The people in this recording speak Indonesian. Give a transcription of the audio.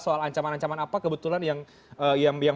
soal ancaman ancaman apa kebetulan yang